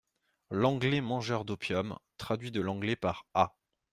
L'ANGLAIS MANGEUR D'OPIUM, traduit de l'anglais par A.